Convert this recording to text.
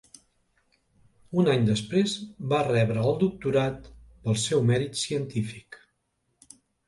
Un any després va rebre el doctorat pel seu mèrit científic.